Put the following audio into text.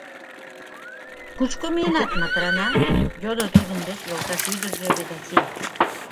— Кушко миенат, Матрана? — йодо тудын деч йолташ ӱдыржӧ Ведаси.